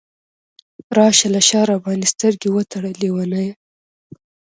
راشه له شاه راباندې سترګې وتړه لیونۍ !